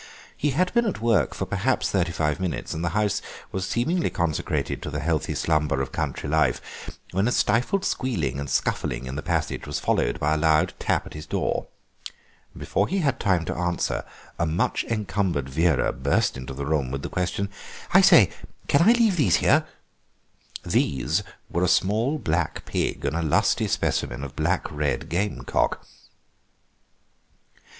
He had been at work for perhaps thirty five minutes, and the house was seemingly consecrated to the healthy slumber of country life, when a stifled squealing and scuffling in the passage was followed by a loud tap at his door. Before he had time to answer, a much encumbered Vera burst into the room with the question; "I say, can I leave these here?" "These" were a small black pig and a lusty specimen of black red gamecock.